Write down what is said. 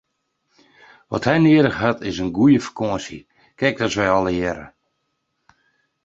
Wat hy nedich hat is in goede fakânsje, krekt as wy allegearre!